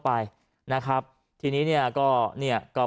ปอล์กับโรเบิร์ตหน่อยไหมครับ